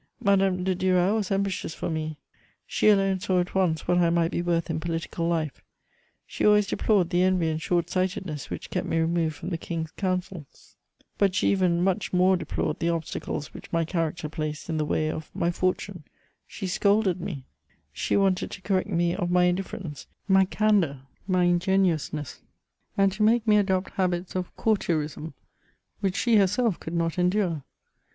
Madame de Duras was ambitious for me: she alone saw at once what I might be worth in political life; she always deplored the envy and short sightedness which kept me removed from the King's counsels; but she even much more deplored the obstacles which my character placed in the way of my fortune: she scolded me, she wanted to correct me of my indifference, my candour, my ingenuousness, and to make me adopt habits of courtierism which she herself could not endure.